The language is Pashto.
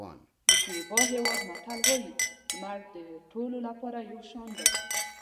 د کیوبا هېواد متل وایي لمر د ټولو لپاره یو شان دی.